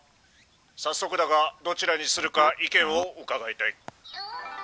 早速だがどちらにするか意見を伺いたい。